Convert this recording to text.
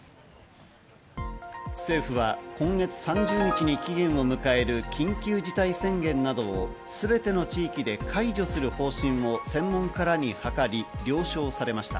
政府は今月３０日に期限を迎える緊急事態宣言などをすべての地域で解除する方針を専門家らに諮り、了承されました。